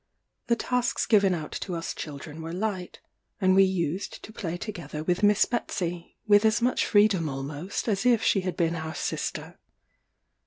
The tasks given out to us children were light, and we used to play together with Miss Betsey, with as much freedom almost as if she had been our sister.